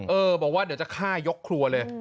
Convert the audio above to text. บอกว่าเดี๋ยวจะฆ่ายกครัวเลย